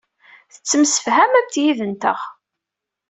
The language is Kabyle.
Tettemsefhamemt yid-nteɣ.